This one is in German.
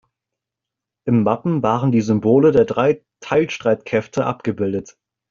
Im Wappen waren die Symbole der drei Teilstreitkräfte abgebildet.